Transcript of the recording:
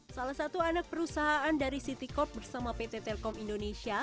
salah satu anak perusahaan dari city corp bersama pt telkom indonesia